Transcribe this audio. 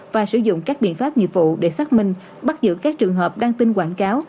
và sử dụng các biện pháp nghiệp vụ để xác minh bắt giữ các trường hợp đăng tin quảng cáo